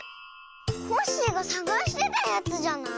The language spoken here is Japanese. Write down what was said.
コッシーがさがしてたやつじゃない？